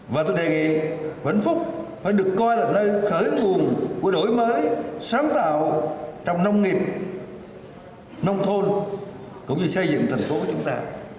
và tôi đề nghị vĩnh phúc phải được coi là nơi khởi nguồn của đổi mới sáng tạo trong nông nghiệp nông thôn cũng như xây dựng thành phố của chúng ta